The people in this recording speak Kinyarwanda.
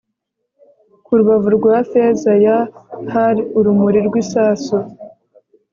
kurubavu rwa feza ya hull urumuri rwisasu